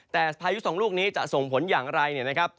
แต่พายุสองลูกนี้จะส่งผลอย่างไรเนี่ยนะครับ